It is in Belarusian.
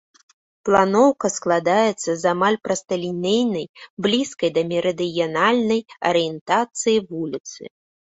Планоўка складаецца з амаль прасталінейнай, блізкай да мерыдыянальнай арыентацыі вуліцы.